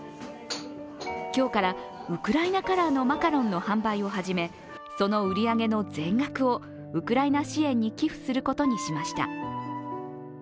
今日からウクライナカラーのマカロンの販売を始めその売り上げの全額をウクライナ支援に寄付することにしました。